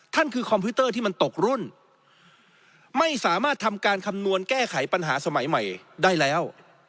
คอมพิวเตอร์ที่มันตกรุ่นไม่สามารถทำการคำนวณแก้ไขปัญหาสมัยใหม่ได้แล้ว